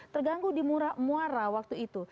terganggu di muara waktu itu